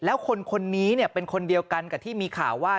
แล้วคนนี้เป็นคนเดียวกันกับที่มีข่าวว่า